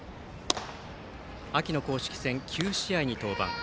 秋の甲子園９試合に登板。